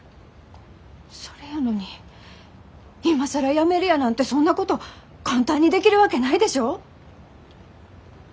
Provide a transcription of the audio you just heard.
それやのに今更辞めるやなんてそんなこと簡単にできるわけないでしょう？